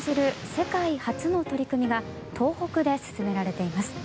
世界初の取り組みが東北で進められています。